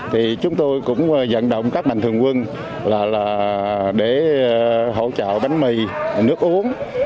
thì chúng tôi cũng dẫn động các mạnh thường quân là để hỗ trợ bánh mì nước uống